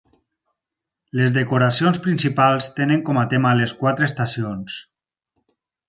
Les decoracions principals tenen com a tema les quatre estacions.